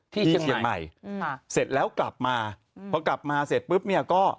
ที่เชียงใหม่เสร็จแล้วกลับมาพอกลับมาเสร็จปุ๊บเนี่ยก็